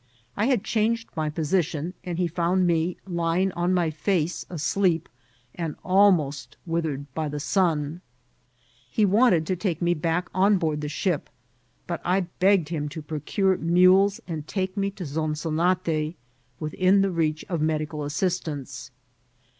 I had changed my position, and he found me lying on my face adeep, and almost withered by the sun. He wanted to take me back on board the ship, but I begged him to procure mules and take me to Zonzonate, within the reach of medical as* sistanoe.